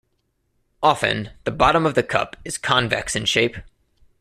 Often, the bottom of the cup is convex in shape.